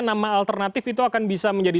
nama alternatif itu akan bisa menjadi